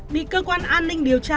bị cơ quan an ninh điều tra